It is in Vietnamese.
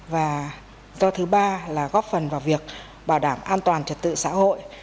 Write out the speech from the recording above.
và do thứ ba là góp phần vào việc bảo đảm an toàn trật tự xã hội